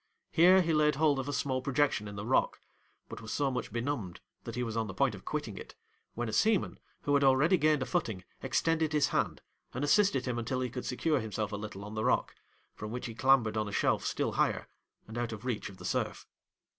Here he laid hold of a small projection in the rock, but was so much benumbed that he was on the point of quitting it, when a seaman, who had already gained a footing, extended his hand, and assisted him until he could secure himself a little on the rock; from which he clambered on a shelf still higher, and out of the reach of the surf.